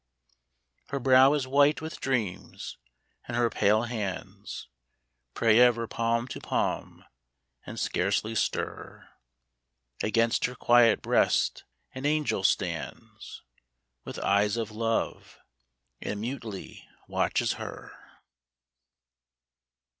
Her brow is white with dreams, and her pale hands Pray ever palm to palm, and scarcely stir Against her quiet breast ; an angel stands With eyes of love, and mutely watches her.